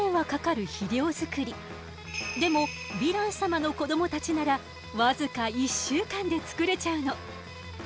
でもヴィラン様の子どもたちなら僅か１週間で作れちゃうの。